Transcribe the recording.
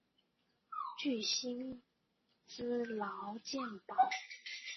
具薪资劳健保